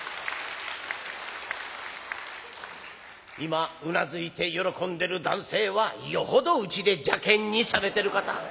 「今うなずいて喜んでる男性はよほどうちで邪けんにされてる方。